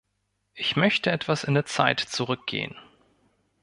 Ich möchte etwas in der Zeit zurückgehen.